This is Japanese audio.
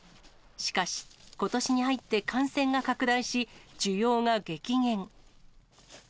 しかし、ことしに入って感染が拡大し、需要が激減。